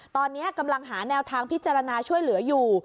ตอนนี้กำลังหาแนวทางพิจารณาช่วยเหลืออยู่